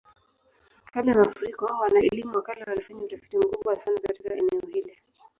Kabla ya mafuriko, wana-elimu wa kale walifanya utafiti mkubwa sana katika eneo hili.